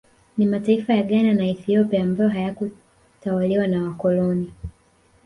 Ni mataifa ya Ghana na Ethiopia ambayo hayakutawaliwa na wakoloni